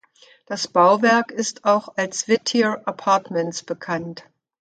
Das Bauwerk ist auch als Whittier Apartments bekannt.